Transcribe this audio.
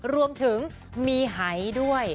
รวมถึงมีหายด้วย